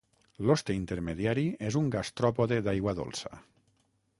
L'hoste intermediari és un gastròpode d'aigua dolça.